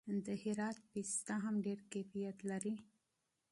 د هرات پسته هم ډیر کیفیت لري.